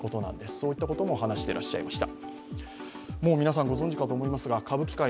そういったことも話していらっしゃいました。